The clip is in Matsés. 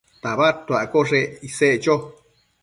tabadtuaccoshe isec cho